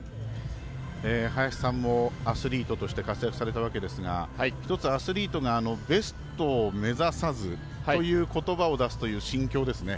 林さんもアスリートとして活躍されたわけですがひとつ、アスリートが「ベストを目指さず」ということばを出すという心境ですね。